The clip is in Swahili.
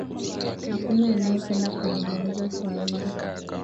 Hakuna anaye penda kuzungumza swahili